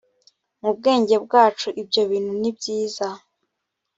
mu bwenge bwacu ibyo bintu ni byiza